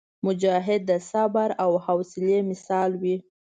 مجاهد د صبر او حوصلي مثال وي.